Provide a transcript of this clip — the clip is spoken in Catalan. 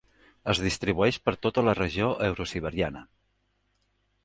Es distribueix per tota la regió eurosiberiana.